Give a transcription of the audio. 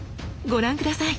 ご覧下さい。